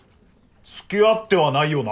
付き合ってはないよな！